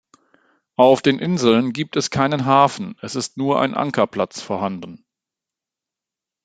Auf den Inseln gibt es keinen Hafen, es ist nur ein Ankerplatz vorhanden.